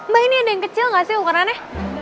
mbak ini ada yang kecil gak sih warna nya